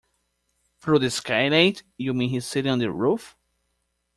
Through the skylight? You mean he's sitting on the roof?